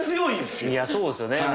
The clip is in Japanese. いやそうですよね。